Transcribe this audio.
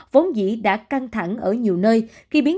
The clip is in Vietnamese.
vốn dĩ đã căng thẳng ở nhiều nơi